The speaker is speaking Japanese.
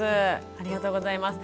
ありがとうございます。